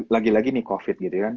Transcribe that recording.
lagi lagi nih covid gitu kan